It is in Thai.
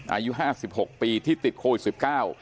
อายุ๕๖ปีที่ติดโควิด๑๙